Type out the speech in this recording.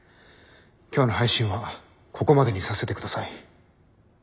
今日の配信はここまでにさせてください。